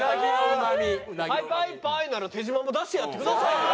「パイパイパイ」なら手島も出してやってくださいよ。